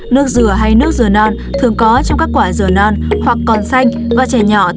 nước dừa hay nước dừa non thường có trong các quả dừa non hoặc còn xanh và trẻ nhỏ thường rất tốt